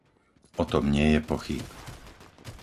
O tom nie je pochýb.